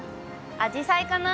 あじさいかな？